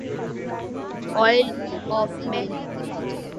oil of main